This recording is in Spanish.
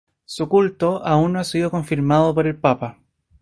Su culto aún no ha sido confirmado por el papa.